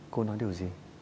cô nói điều gì